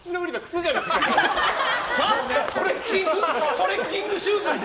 トレッキングシューズ？